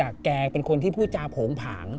แกเป็นคนที่ผู้จาโผงผาง